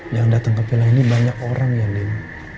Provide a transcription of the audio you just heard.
yang datang ke pilihan ini banyak orang ya din